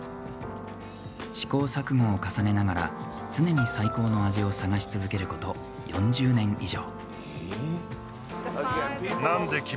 試行錯誤を重ねながら常に最高の味を探し続けること４０年以上。